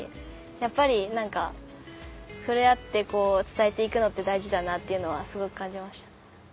やっぱり何か触れ合って伝えて行くのって大事だなっていうのはすごく感じました。